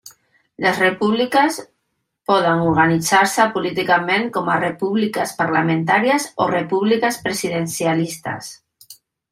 Les repúbliques poden organitzar-se políticament com a repúbliques parlamentàries o repúbliques presidencialistes.